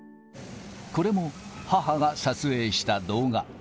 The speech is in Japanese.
これも母が撮影した動画。